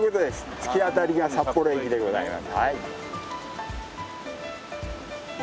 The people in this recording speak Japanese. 突き当たりが札幌駅でございます。